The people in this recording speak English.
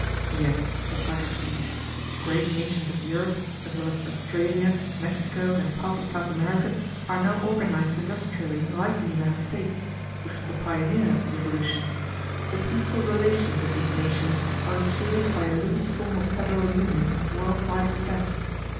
"Yes," replied Dr. Leete, "the great nations of Europe as well as Australia, Mexico, and parts of South America, are now organized industrially like the United States, which was the pioneer of the evolution. The peaceful relations of these nations are assured by a loose form of federal union of world wide extent.